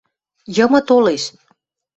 – Йымы толеш...